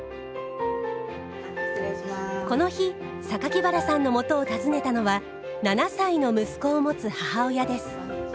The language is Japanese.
この日原さんのもとを訪ねたのは７歳の息子を持つ母親です。